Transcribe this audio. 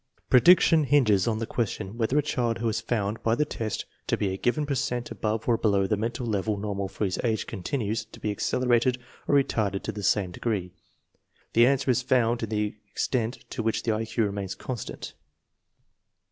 Prediction hinges on the question whether a child who is found by the test to be a given per cent above or below the mental level normal for his age continues to be accelerated or re tarded to the same degree. The answer is found in the extent to which the I Q remains constant.